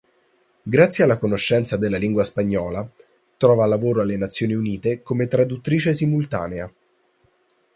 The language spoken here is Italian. Grazie alla conoscenza della lingua spagnola, trova lavoro alle Nazioni Unite come traduttrice simultanea.